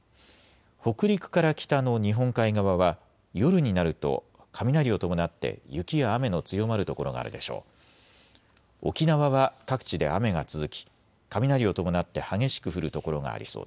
北陸から北の日本海側は夜になると雷を伴って雪や雨の強まる所があるでしょう。